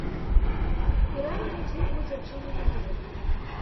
І рэальна музей будзе адчынены на лета.